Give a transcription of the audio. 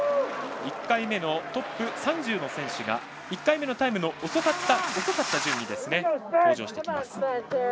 １回目のトップ３０の選手が１回目のタイムの遅かった順で登場してきます。